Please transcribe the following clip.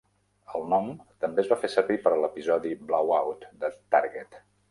El nom també es va fer servir per a l'episodi "Blow Out" de "Target".